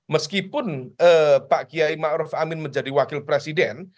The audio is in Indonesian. meskipun pak kiai ma ruf amin menjadi wakil presiden